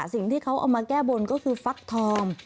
สิ่งที่เขาเอามาแก้บนก็คือฟักทอง